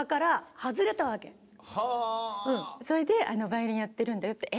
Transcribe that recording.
それで「ヴァイオリンやってるんだよ」って。